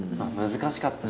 難しかった。